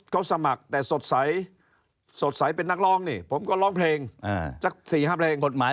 เขาสมัครแต่สดใสเป็นนักร้องนี่ผมก็ร้องเพลงจาก๔๕เพลง